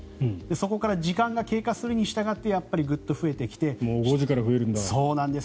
そこから時間が経過するにしたがって５時から増えるんだ。